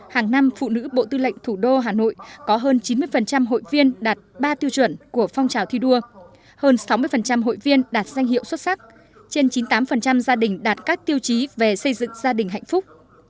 hàng năm phụ nữ bộ tư lệnh thủ đô hà nội có hơn chín mươi hội viên đạt ba tiêu chuẩn của phong trào thi đua hơn sáu mươi hội viên đạt danh hiệu xuất sắc trên chín mươi tám gia đình đạt các tiêu chí về xây dựng gia đình hạnh phúc